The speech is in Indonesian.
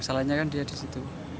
salahnya kan dia di situ